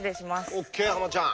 ＯＫはまちゃん。